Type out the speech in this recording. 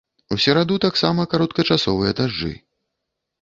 У сераду таксама кароткачасовыя дажджы.